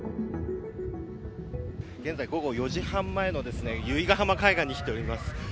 現在午後４時半前の由比ガ浜海岸に来ています。